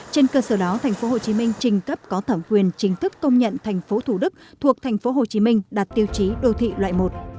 trên cơ sở đó tp hcm trình cấp có thẩm quyền chính thức công nhận tp thủ đức thuộc tp hcm đạt tiêu chí đô thị loại một